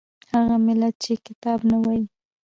هغه ملت چې کتاب نه وايي